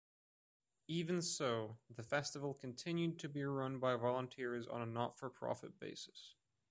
Even so, the festival continued to be run by volunteers on a not-for-profit basis.